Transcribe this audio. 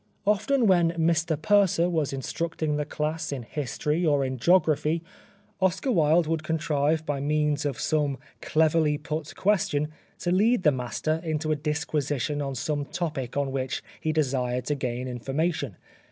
Often when Mr Purser was instruct ing the class in history or in geography Oscar Wilde would contrive by means of some cleverly put question to lead the master into a dis quisition on some topic on which he desired to gain information.